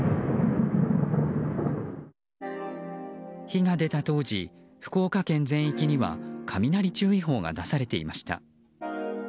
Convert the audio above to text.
火が出た当時、福岡県全域には雷注意報が出されていました。